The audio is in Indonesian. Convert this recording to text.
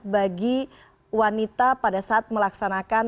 bagi wanita pada saat melaksanakan ibadah haji